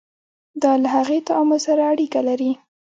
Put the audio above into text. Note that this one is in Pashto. دا له هغې تعامل سره اړیکه لري.